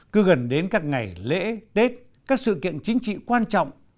cứ gần đến các ngày lễ tết các sự kiện chính trị quan trọng